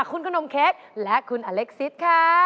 คุณขนมเค้กและคุณอเล็กซิสค่ะ